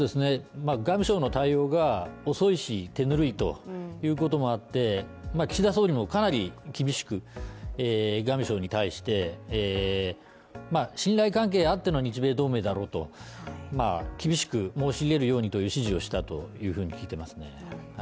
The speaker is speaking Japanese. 外務省の対応が遅いし、手ぬるいということもあって、岸田総理もかなり厳しく外務省に対して、信頼関係あっての日米同盟だろうと厳しく申し入れるようにという指示をしたというふうに聞いてますね。